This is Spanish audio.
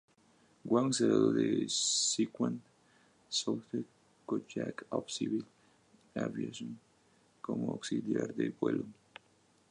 Wang se graduó del Sichuan Southwest College of Civil Aviation como auxiliar de vuelo.